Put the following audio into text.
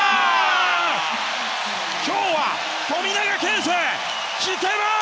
今日は富永啓生、来てます！